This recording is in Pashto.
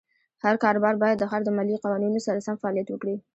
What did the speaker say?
هر کاروبار باید د ښار د مالیې قوانینو سره سم فعالیت وکړي.